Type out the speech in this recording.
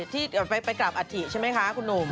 ที่ไปกราบอัฐิใช่ไหมคะคุณหนุ่ม